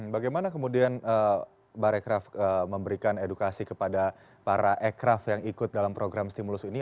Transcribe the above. bagaimana kemudian barekraf memberikan edukasi kepada para aircraf yang ikut dalam program stimulus ini